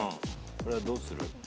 これどうする？